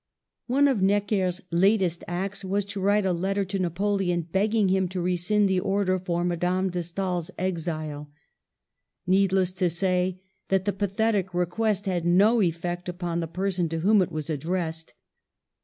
One of Necker's latest acts was to write a letter to Napoleon begging him to rescind the order for Madame de Stael's exile. Needless to say that the pathetic request had no effect upon the per son to whom it was addressed.